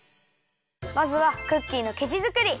まずはクッキーのきじづくり！